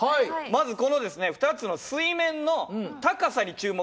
まずこのですね２つの水面の高さに注目して下さいね。